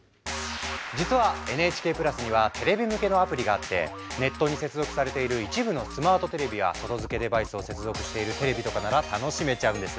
実はＮＨＫプラスにはテレビ向けのアプリがあってネットに接続されている一部のスマートテレビや外付けデバイスを接続しているテレビとかなら楽しめちゃうんです。